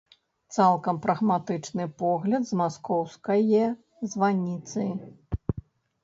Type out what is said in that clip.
Цалкам прагматычны погляд з маскоўскае званіцы.